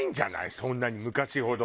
そんなに昔ほど。